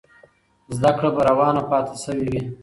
زده کړه به روانه پاتې سوې وي.